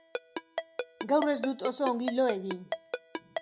Gaur ez dut oso ongi lo egin.